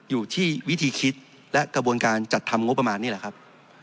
อยู่ที่วิธีคิดและกระบวนการจัดทำงบประมาณนี่แหละครับ